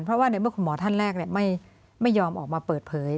เพราะว่าเนี้ยเมื่อคุณหมอท่านแรกเนี้ยไม่ไม่ยอมออกมาเปิดเผย